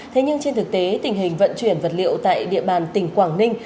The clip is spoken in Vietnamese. thế nhưng trên thực tế tình hình vận chuyển vật liệu tại địa bàn tỉnh quảng ninh